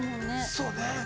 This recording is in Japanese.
◆そうね。